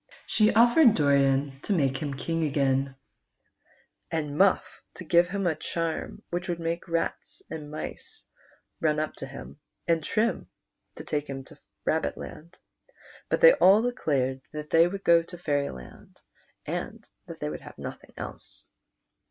She oftered Doran to make him king again, and Muff to give him a charm whicli would make rats and mice run u[) to him, and Trim to take him to Rabbitland, but they all three declared that the\' would go to Fairyland, and that they would have nothing else.